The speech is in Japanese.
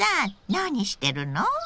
何してるの？